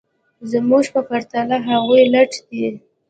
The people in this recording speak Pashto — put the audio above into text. زموږ په پرتله هغوی لټ دي